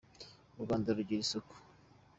U Rwanda rugira isuku.